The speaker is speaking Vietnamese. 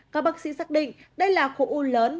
các bác sĩ xác định đây là khối u lớn